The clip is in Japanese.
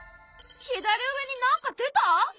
左上に何か出た？